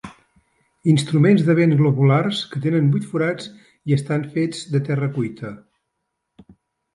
Instruments de vent globulars que tenen vuit forats i estan fets de terra cuita.